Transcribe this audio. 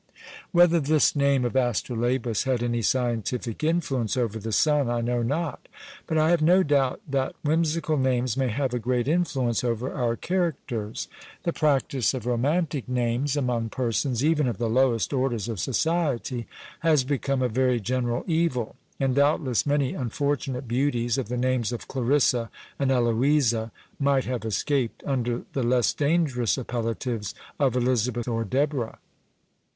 Whether this name of Astrolabus had any scientific influence over the son, I know not; but I have no doubt that whimsical names may have a great influence over our characters. The practice of romantic names among persons, even of the lowest orders of society, has become a very general evil: and doubtless many unfortunate beauties, of the names of Clarissa and Eloisa, might have escaped under the less dangerous appellatives of Elizabeth or Deborah.